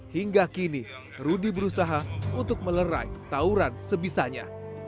hingga kini rudy berusaha untuk melerai tawuran sebisanya